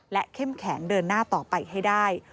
เข้มแข็งเดินหน้าต่อไปให้ได้